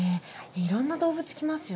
いろんな動物来ますよね。